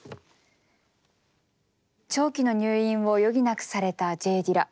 長期の入院を余儀なくされたＪ・ディラ。